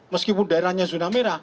meskipun daerahnya zona merah